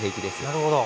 なるほど。